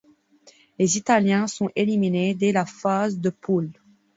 Les Italiens sont éliminés dès la phase de poule.